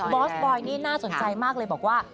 อสบอยนี่น่าสนใจมากเลยบอกว่า